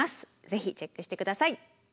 ぜひチェックして下さい。